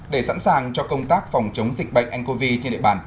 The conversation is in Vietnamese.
để sẵn sàng cho công tác phòng chống dịch bệnh ncov trên địa bàn